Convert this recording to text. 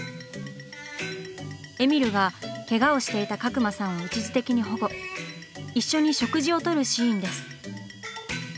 えみるがケガをしていた角間さんを一時的に保護一緒に食事をとるシーンです。